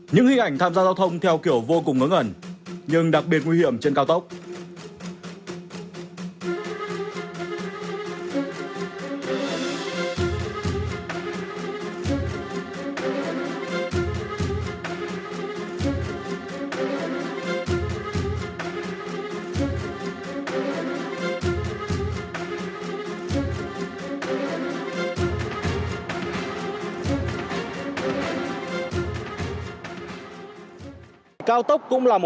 những hình ảnh tham gia giao thông theo kiểu vô cùng ngớ ngẩn nhưng đặc biệt nguy hiểm trên cao tốc